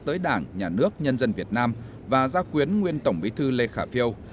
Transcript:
tới đảng nhà nước nhân dân việt nam và gia quyến nguyên tổng bí thư lê khả phiêu